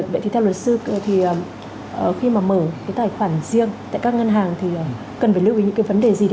vậy thì theo luật sư thì khi mà mở cái tài khoản riêng tại các ngân hàng thì cần phải lưu ý những cái vấn đề gì